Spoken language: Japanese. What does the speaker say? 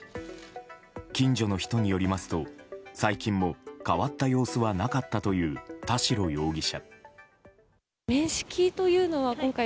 近所の人によりますと、最近も変わった様子はなかったという田代容疑者。